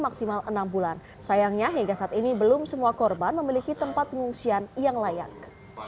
maksimal enam bulan sayangnya hingga saat ini belum semua korban memiliki tempat pengungsian yang layak